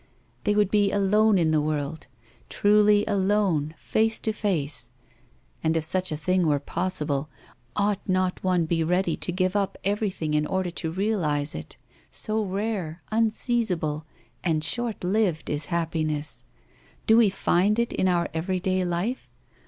They would be alone in the world, truly alone, face to face! And, if such a thing were possible, ought not one be ready to give up everything in order to realize it, so rare, unseizable, and short lived is happiness? Do we find it in our everyday life?